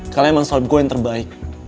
kalian emang sound gue yang terbaik